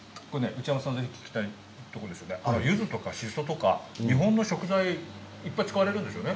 ゆずとか、しそとか日本の食材、使われるんですよね。